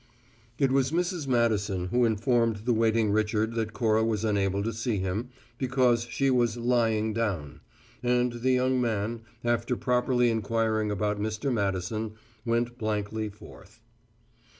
It was Mrs. Madison who informed the waiting Richard that Cora was unable to see him, because she was "lying down"; and the young man, after properly inquiring about Mr. Madison, went blankly forth.